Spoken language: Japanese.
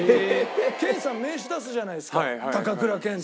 健さん名刺出すじゃないですか「高倉健」って。